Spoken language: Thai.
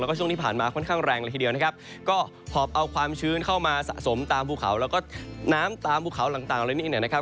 แล้วก็ช่วงที่ผ่านมาค่อนข้างแรงเลยทีเดียวนะครับก็หอบเอาความชื้นเข้ามาสะสมตามภูเขาแล้วก็น้ำตามภูเขาต่างอะไรนี้เนี่ยนะครับ